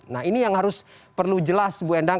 nah ini yang harus perlu jelas bu endang